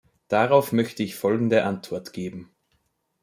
Darauf möchte ich folgende Antwort geben.